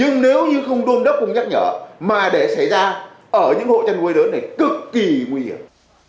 nhưng nếu như không đôn đốc không nhắc nhở mà để xảy ra ở những hộ chăn nuôi lớn này cực kỳ nguy hiểm